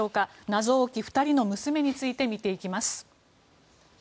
謎多き２人の娘について見ていきます。